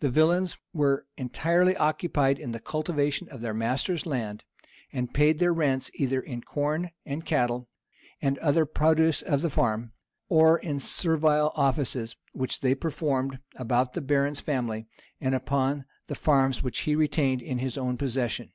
The villains were entirely occupied in the cultivation of their master's land, and paid their rents either in corn and cattle, and other produce of the farm, or in servile offices, which they performed about the baron's family, and upon the farms which he retained in his own possession.